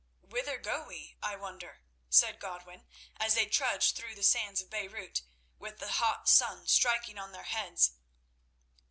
"Whither go we, I wonder," said Godwin, as they trudged through the sands of Beirut, with the hot sun striking on their heads.